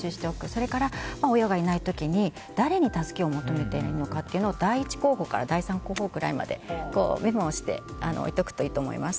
それから、親がいない時に誰に助けを求めればいいのか第１候補から第３候補くらいまでメモをして置いておくといいと思います。